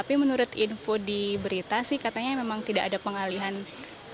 rombongan yang bagus dan ya anda memiliki banyak senangnya di sini